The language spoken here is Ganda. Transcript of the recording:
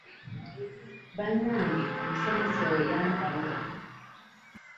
Bannange omusomesa oyo yantama.